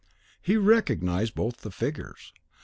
He recognised both the figures.